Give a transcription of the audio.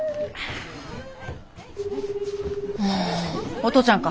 お父ちゃんか？